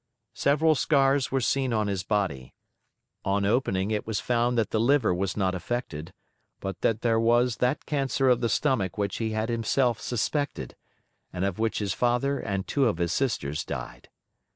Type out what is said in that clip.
Several scars were seen on his body. On opening it it was found that the liver was not affected, but that there was that cancer of the stomach which he had himself suspected, and of which his father and two of his sisters died.